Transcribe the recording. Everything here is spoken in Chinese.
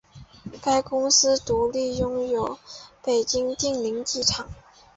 该公司独立拥有北京定陵机场。